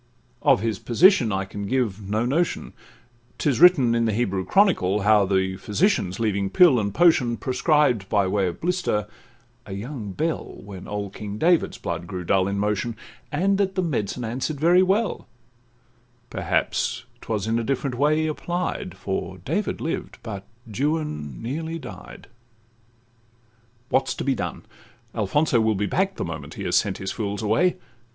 Of his position I can give no notion: 'Tis written in the Hebrew Chronicle, How the physicians, leaving pill and potion, Prescribed, by way of blister, a young belle, When old King David's blood grew dull in motion, And that the medicine answer'd very well; Perhaps 'twas in a different way applied, For David lived, but Juan nearly died. What 's to be done? Alfonso will be back The moment he has sent his fools away.